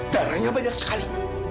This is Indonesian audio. darahnya banyak sekali